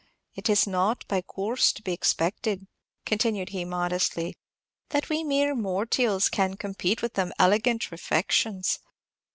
It is not, by coorse, to be expected," continued he, modestly, "that we mere mortials can compete with them elegant refections.